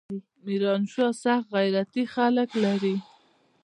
ميرانشاه سخت غيرتي خلق لري.